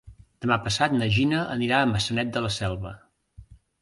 Demà passat na Gina anirà a Maçanet de la Selva.